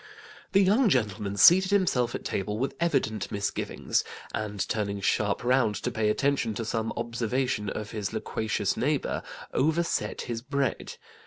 The young gentleman seated himself at table with evident misgivings, and turning sharp round to pay attention to some observation of his loquacious neighbour, overset his bread.